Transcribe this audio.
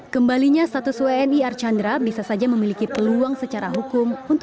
kembalinya status uni archandra bisa saja menyebabkan